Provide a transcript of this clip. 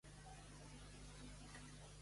La cançó que sona és genial, desa-ho.